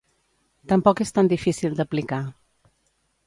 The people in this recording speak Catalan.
Tampoc és tan difícil d'aplicar.